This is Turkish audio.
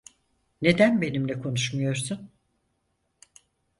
Neden benimle konuşmuyorsun?